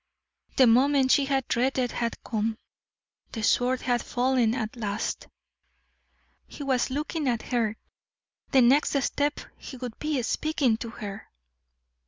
The moment she had dreaded had come the sword had fallen at last. He was looking at her; the next step he would be speaking to her.